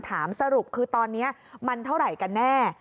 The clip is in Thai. สรุปคือตอนนี้มันเท่าไหร่กันแน่